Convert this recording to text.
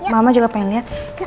mama juga pengen liat